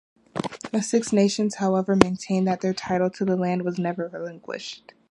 The Six Nations, however, maintain that their title to the land was never relinquished.